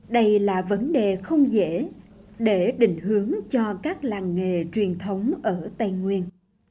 đây là vấn đề không dễ để định hướng cho các làng nghề truyền thống ở tây nguyên